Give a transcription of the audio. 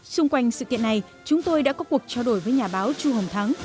xung quanh sự kiện này chúng tôi đã có cuộc trao đổi với nhà báo chu hồng thắng